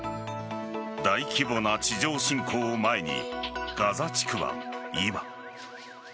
大規模な地上侵攻を前にガザ地区は今。